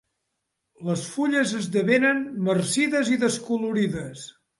Les fulles esdevenen marcides i descolorides.